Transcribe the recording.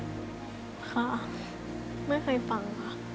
ค่ะไม่เคยฟังค่ะ